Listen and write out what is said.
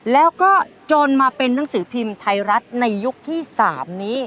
แล้วก็จนมาเป็นหนังสือพิมพ์ไทยรัฐในยุคที่๓นี้